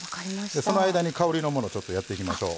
その間に香りのものやっていきましょう。